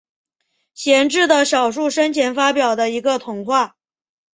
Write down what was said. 贤治的少数生前发表的一个童话。